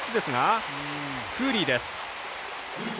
クーリーです。